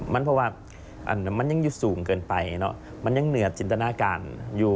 เพราะว่ามันยังอยู่สูงเกินไปเนอะมันยังเหนือจินตนาการอยู่